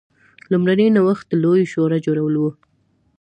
لومړنی نوښت د لویې شورا جوړول و.